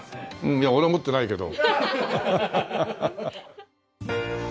いや俺持ってないけど。